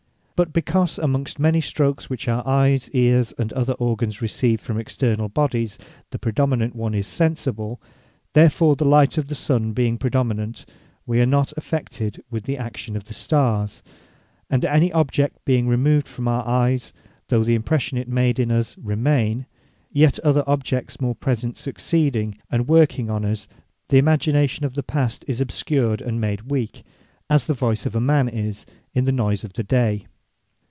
But because amongst many stroaks, which our eyes, eares, and other organs receive from externall bodies, the predominant onely is sensible; therefore the light of the Sun being predominant, we are not affected with the action of the starrs. And any object being removed from our eyes, though the impression it made in us remain; yet other objects more present succeeding, and working on us, the Imagination of the past is obscured, and made weak; as the voyce of a man is in the noyse of the day.